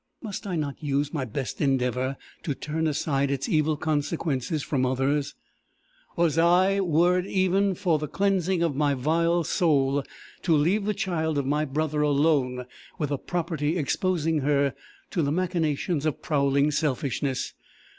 Must I not use my best endeavour to turn aside its evil consequences from others? Was I, were it even for the cleansing of my vile soul, to leave the child of my brother alone with a property exposing her to the machinations of prowling selfishness!